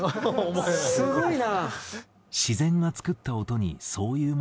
すごいな！